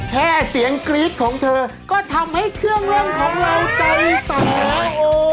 แค่เสียงกรี๊ดของเธอก็ทำให้เครื่องเล่นของเราใจแตก